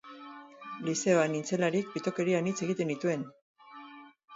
Lizeoan nintzelarik pitokeria anitz egiten nituen.